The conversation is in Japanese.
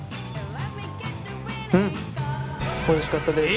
うんおいしかったです。